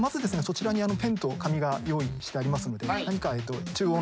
そちらにペンと紙が用意してありますので。